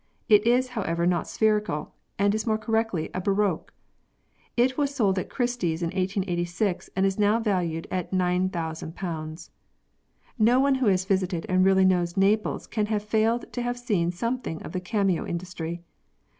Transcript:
It is, however, not spherical, and is more correctly a baroque. It was sold at Christie's in 1886 and is now valued at 9000. No one who has visited and really knows Naples, can have failed to have seen something of the cameo industry.